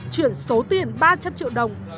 chuyển số tiền ba trăm linh triệu đồng